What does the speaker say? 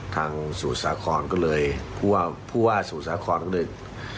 ทางสู่สาครก็เลยพูดว่าสู่สาครก็เลย